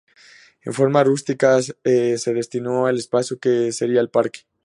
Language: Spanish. En forma rústica se destinó el espacio que sería el parque.